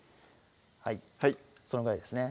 はいそのぐらいですね